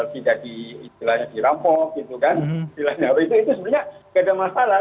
tidak di istilahnya dirampok gitu kan